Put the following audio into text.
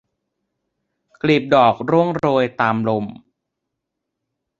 กลีบดอกร่วงโรยตามลม